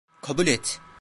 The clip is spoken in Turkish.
Kabul et.